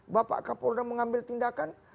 bapak kapolri mengambil tindakan